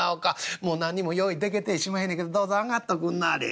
「もう何にも用意でけてやしまへんねけどどうぞ上がっとくんなはれ」。